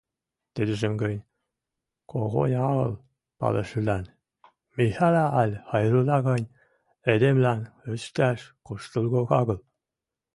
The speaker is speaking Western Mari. Тидӹжӹм гӹнь когон агыл пӓлӹшӹлӓн, Михӓлӓ ӓль Хайрулла гань эдемлӓн, ӹштӓш куштылгок агыл.